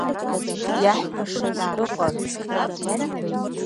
Иаҳҳәашаз ыҟан.